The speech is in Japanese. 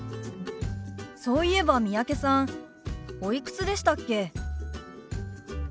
そういえば三宅さんおいくつでしたっけ？